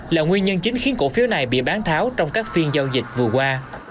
là nguyên nhân chính khiến cổ phiếu này bị bán tháo trong các phiên giao dịch vừa qua